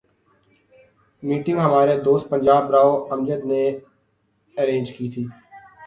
Meeting ہمارے دوست پنجاب راؤ امجد نے ارینج کی تھی۔